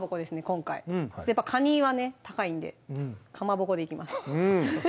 今回かにはね高いんでかまぼこでいきます